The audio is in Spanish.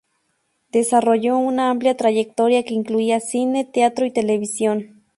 Desarrolló una amplia trayectoria que incluía cine, teatro y televisión.